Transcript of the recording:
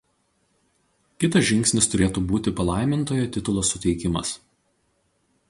Kitas žingsnis turėtų būti palaimintojo titulo suteikimas.